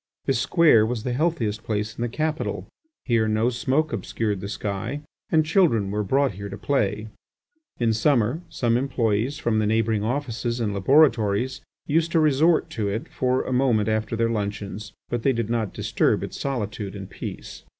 This square was the healthiest place in the capital; here no smoke obscured the sky, and children were brought here to play. In summer some employees from the neighbouring offices and laboratories used to resort to it for a moment after their luncheons, but they did not disturb its solitude and peace.